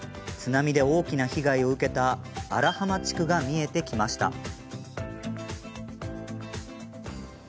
津波で大きな被害を受けた荒浜地区が見えてきました。